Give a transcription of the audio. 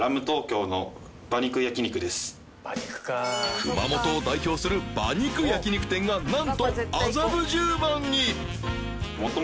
熊本を代表する馬肉焼き肉店がなんと麻布十番に廣瀬）